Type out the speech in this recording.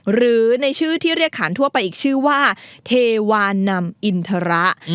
หรือในชื่อที่เรียกขานทั่วไปอีกชื่อว่าเทวานำอินทระ